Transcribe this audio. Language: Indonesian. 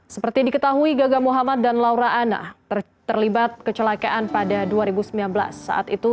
seperti diketahui gaga muhammad dan laura anna terlibat kecelakaan pada dua ribu sembilan belas saat itu